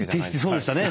そうでしたね。